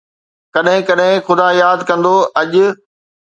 ڪڏھن ڪڏھن خدا ياد ڪندو اڄ